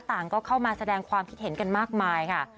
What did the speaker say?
ต่างก็เข้ามาแสดงความคิดเห็นกันมากมายค่ะ